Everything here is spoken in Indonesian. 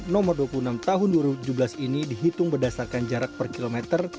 nomor dua puluh enam tahun dua ribu tujuh belas ini dihitung berdasarkan jarak per kilometer